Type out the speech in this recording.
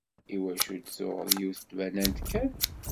Iwacu d-tuɣeḍ yiwet n tbanant kan?